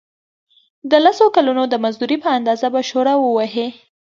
د لسو کلونو د مزدورۍ په اندازه به شوړه ووهي.